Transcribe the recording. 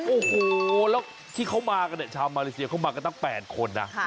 โอ้โหแล้วที่เขามากันเนี่ยชาวมาเลเซียเข้ามากันตั้ง๘คนนะ